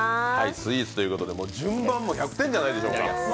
スイーツということで順番も１００点じゃないでしょうか。